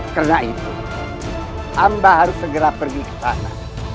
karena itu amba harus segera pergi ke sana